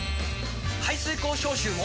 排水口消臭も！